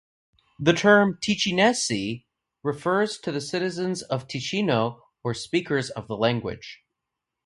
The term Ticinesi refers to the citizens of Ticino or speakers of the language.